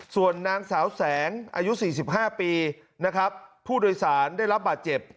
ส่วนนางสาวแสงอายุ๔๕ปีนะครับผู้โดยสารได้รับบาดเจ็บ